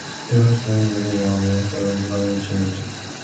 It hosts exhibitions of local and community interest.